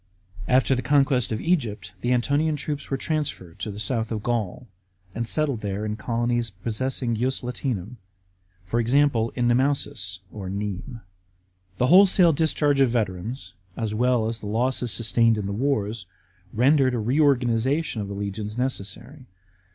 After the conquest of Egypt, the Antonian troops were transferred to the south of Gaul, and settled there in colonies possessing ius Latinum, for example, in Nemausus (Nimes). The wholesale discharge of veterans, as well as the losses sustained in the wars, rendered a reorganisation of the legions necessary.